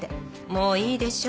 もういいでしょ。